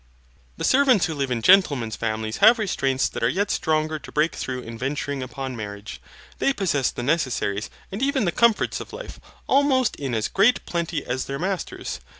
The servants who live in gentlemen's families have restraints that are yet stronger to break through in venturing upon marriage. They possess the necessaries, and even the comforts of life, almost in as great plenty as their masters.